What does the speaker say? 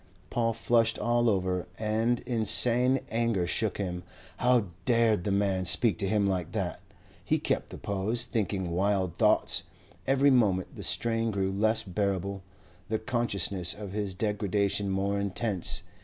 Paul flushed all over, and insane anger shook him. How dared the man speak to him like that? He kept the pose, thinking wild thoughts. Every moment the strain grew less bearable, the consciousness of his degradation more intense.